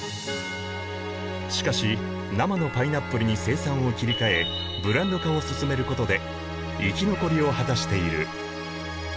しかし生のパイナップルに生産を切り替えブランド化を進めることで生き残りを果たしている。